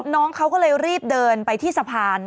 น้องเขาก็เลยรีบเดินไปที่สะพาน